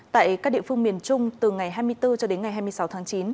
tại các địa phương miền trung từ ngày hai mươi bốn cho đến ngày hai mươi sáu tháng chín